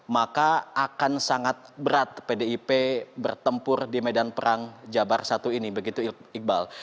maka akan sangat berat pdip bertempur di medan perang jabar satu ini begitu iqbal